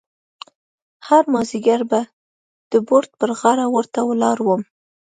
هر مازیګر به د بورد پر غاړه ورته ولاړ وم.